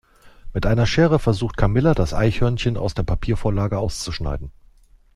Mit einer Schere versucht Camilla das Eichhörnchen aus der Papiervorlage auszuschneiden.